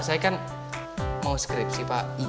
saya kan mau skripsi pak